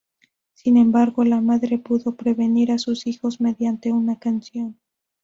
Sin embargo, la madre pudo prevenir a sus hijos mediante una canción.